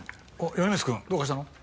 米光くんどうかしたの？